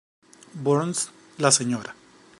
Burns, la Sra.